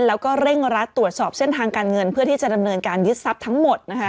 แล้วก็เร่งรัดตรวจสอบเส้นทางการเงินเพื่อที่จะดำเนินการยึดทรัพย์ทั้งหมดนะคะ